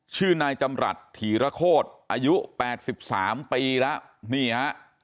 ชื่อนายจำรัฐถีระโคตรอายุ๘๓ปีแล้วนี่ฮะ